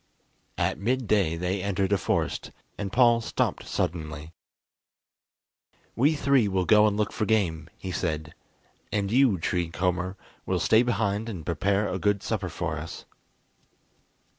At midday they entered a forest, and Paul stopped suddenly. "We three will go and look for game," he said, "and you, Tree Comber, will stay behind and prepare a good supper for us."